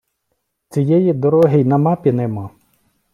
Цієї дороги й на мапі нема.